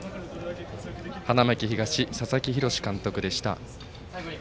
花巻東、佐々木洋監督でした。